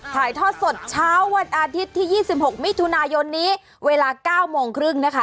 ถ่ายทอดสดเช้าวันอาทิตย์ที่๒๖มิถุนายนนี้เวลา๙โมงครึ่งนะคะ